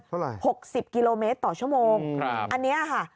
เท่าไหร่๖๐กิโลเมตรต่อชั่วโมงอันนี้ค่ะ